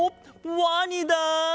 ワニだ！